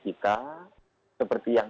kita seperti yang